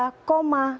dua tujuh triliun rupiah